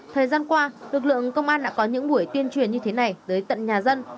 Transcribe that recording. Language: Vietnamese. thời gian qua lực lượng công an đã có những buổi tuyên truyền như thế này tới tận nhà dân